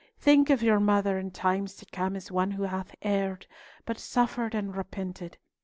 Think of your mother in times to come as one who hath erred, but suffered and repented.